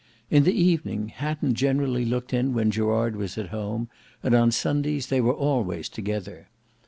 In the evening, Hatton generally looked in when Gerard was at home, and on Sundays they were always together.